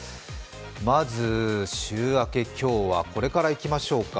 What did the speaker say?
まず週明け、今日はこれからいきましょうか。